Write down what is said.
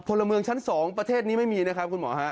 พลเมืองชั้น๒ประเทศนี้ไม่มีนะครับคุณหมอฮะ